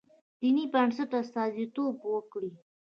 دیني بنسټ استازیتوب وکړي.